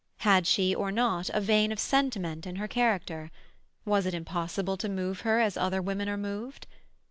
Had she or not a vein of sentiment in her character? Was it impossible to move her as other women are moved?